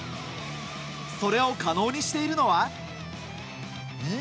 それを可能にしているのは。